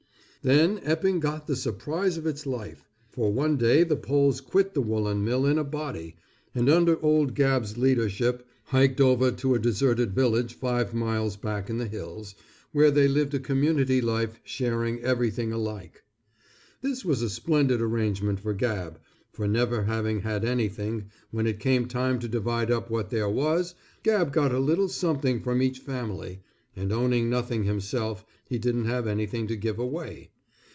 Then Epping got the surprise of its life, for one day the Poles quit the woolen mill in a body, and under old Gabb's leadership hiked over to a deserted village five miles back in the hills, where they lived a community life sharing everything alike. This was a splendid arrangement for Gabb, for never having had anything, when it came time to divide up what there was, Gabb got a little something from each family, and owning nothing himself he didn't have anything to give away.